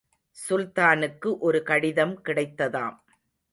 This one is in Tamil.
சுல்தானுக்கு ஒரு கடிதம் கிடைத்ததாம்.